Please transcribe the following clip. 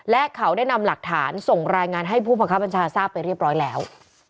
และเขาได้นำหลักฐานส่งรายงานให้ผู้บังคับบัญชาทราบไปเรียบร้อยแล้ว